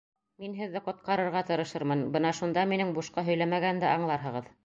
Мин һеҙҙе ҡотҡарырға тырышырмын, бына шунда минең бушҡа һөйләмәгәнде аңларһығыҙ...